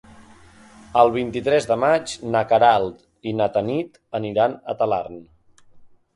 El vint-i-tres de maig na Queralt i na Tanit aniran a Talarn.